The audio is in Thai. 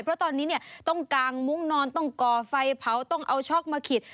เพราะตอนนี้เนี่ยต้องกางมุ้งนอนต้องก่อไฟเผาต้องเอาช็อกมาขิด